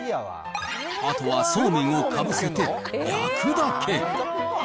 あとはそうめんをかぶせて焼くだけ。